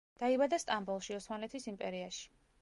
დაიბადა სტამბოლში, ოსმალეთის იმპერიაში.